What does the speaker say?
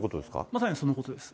まさにそのことです。